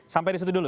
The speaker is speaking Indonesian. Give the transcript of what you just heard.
sampai disitu dulu